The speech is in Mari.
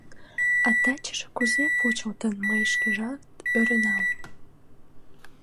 А тачыже кузе почылтын — мый шкежат ӧрынам.